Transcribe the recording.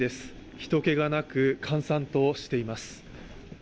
人けがなく閑散としています。